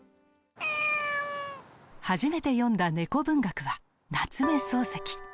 初めて読んだ猫文学は夏目漱石。